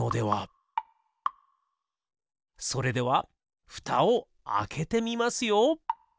それではふたをあけてみますよ。